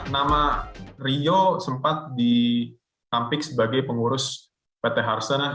nama rio sempat ditampik sebagai pengurus pt harsana